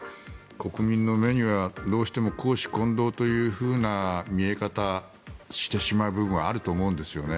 国民の目にはどうしても公私混同という見え方をしてしまう部分はあると思うんですよね。